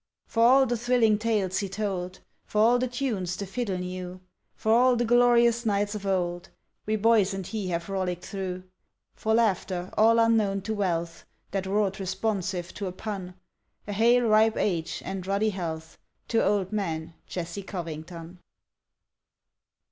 For all the thrilling tales he told, For all the tunes the fiddle knew, For all the glorious nights of old We boys and he have rollicked through, For laughter all unknown to wealth That roared responsive to a pun, A hale, ripe age and ruddy health To old man Jesse Covington!